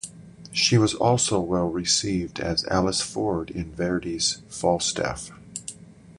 She was also well received as Alice Ford in Verdi's "Falstaff".